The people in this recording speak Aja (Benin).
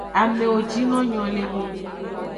Amewo jino nyo le ngu.